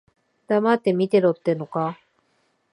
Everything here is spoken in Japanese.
黙って見てろってのか。